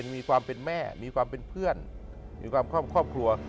มีความเป็นแม่มีความเป็นเพื่อนมีความครอบครัว